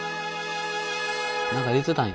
何か言うてたんや。